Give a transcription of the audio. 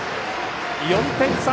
４点差